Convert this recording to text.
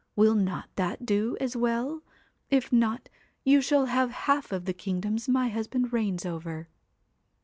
Will not that do as well ? If not, you shall have half of the kingdoms my husband reigns over."